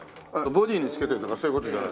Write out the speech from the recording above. ボティーに着けてるとかそういう事じゃないですか？